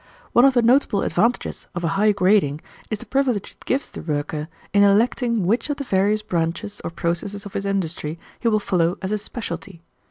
One of the notable advantages of a high grading is the privilege it gives the worker in electing which of the various branches or processes of his industry he will follow as his specialty.